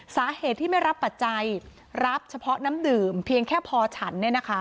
สาเหตุที่ไม่รับปัจจัยรับเฉพาะน้ำดื่มเพียงแค่พอฉัน